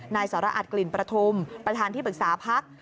นายสรอัตกลิ่นประทุมประธานที่ปรึกษาพัก